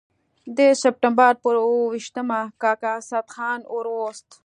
د سپټمبر پر اووه ویشتمه کاکا اسدالله خان ور ووست.